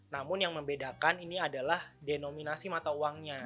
namun yang membedakan ini adalah denominasi mata uangnya